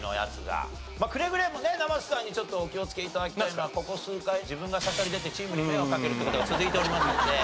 くれぐれもね生瀬さんにちょっとお気をつけ頂きたいのはここ数回自分がしゃしゃり出てチームに迷惑をかけるって事が続いておりますので。